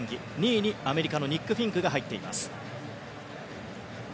２位にアメリカのニック・フィンクが入っています。